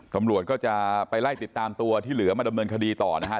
ตำรวจก็จะไปไล่ติดตามตัวที่เหลือมาดำเนินคดีต่อนะฮะ